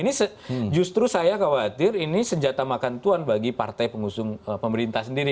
ini justru saya khawatir ini senjata makan tuan bagi partai pengusung pemerintah sendiri